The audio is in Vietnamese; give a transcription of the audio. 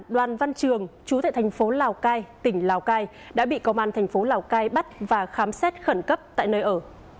đoàn văn trường trú tại tp lào cai tỉnh lào cai đã bị công an tp lào cai bắt và khám xét khẩn cấp tại nơi ở